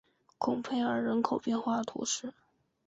孔佩尔人口变化图示